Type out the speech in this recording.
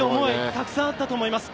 たくさんあったと思います。